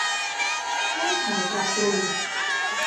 แก้ไขปรับปรุง